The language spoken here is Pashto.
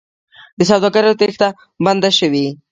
د سوداګرو تېښته بنده شوې؟